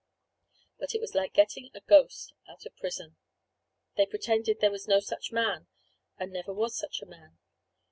But it was like getting a ghost out of prison. They pretended there was no such man, and never was such a man.